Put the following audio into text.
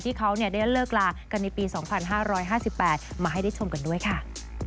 ที่เค้าได้เลิกลากันในปีสองพันห้าร้อยห้าสิบแปดมาให้ได้ชมกันด้วยค่ะ